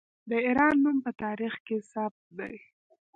د ایران نوم په تاریخ کې ثبت دی.